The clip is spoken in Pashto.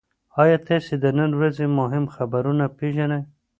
ایا تاسي د نن ورځې مهم خبرونه پېژنئ؟